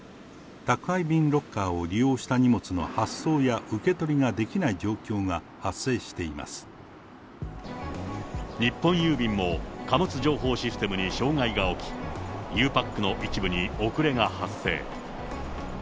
宅配便ロッカーを利用した荷物の発送や受け取りができない状況が日本郵便も、貨物情報システムに障害が起き、ゆうパックの一部に遅れが発生。